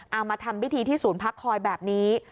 เอามาทำพิธีที่ศูนย์พักคอยแบบนี้